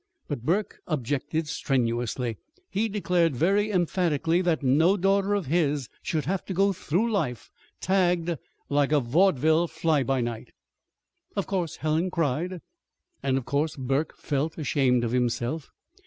But Burke objected strenuously. He declared very emphatically that no daughter of his should have to go through life tagged like a vaudeville fly by night. Of course Helen cried, and of course Burke felt ashamed of himself.